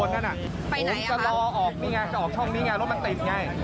ผมจะรอออกช่องนี้รถมันติดไง